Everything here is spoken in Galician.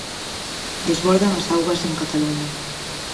Desbordan as augas en Cataluña.